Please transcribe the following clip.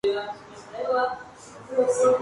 Es propiedad de Eagle Creek Broadcasting of Texas.